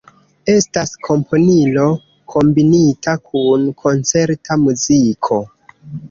Estas kompilo kombinita kun koncerta muziko.